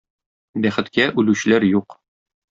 Бәхеткә, үлүчеләр юк.